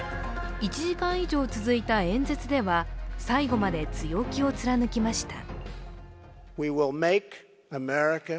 １時間以上続いた演説では最後まで強気を貫きました。